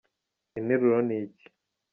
interuro niki